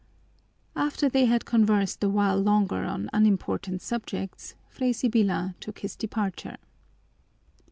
'" After they had conversed a while longer on unimportant subjects, Fray Sibyla took his departure.